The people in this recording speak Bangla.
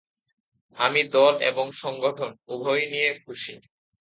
আমি দল এবং সংগঠন উভয় নিয়েই খুশি।